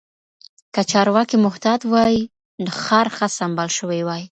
که چارواکي محتاط وای، ښار ښه سمبال شوی وای.